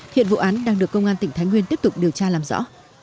hiện vụ án đang được công an tỉnh thái nguyên tiếp tục điều tra làm rõ